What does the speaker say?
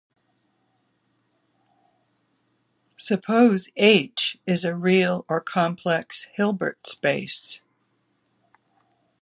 Suppose "H" is a real or complex Hilbert space.